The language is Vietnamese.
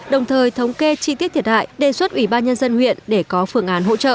đồng thời thống kê chi tiết thiệt hại đề xuất ủy ban nhân dân huyện để có phương án hỗ trợ